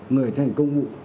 người thi hành công vụ